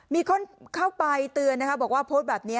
มีคนเข้าไปเตือนนะคะบอกว่าโพสต์แบบนี้